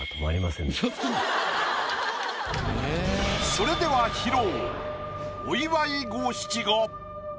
それでは披露。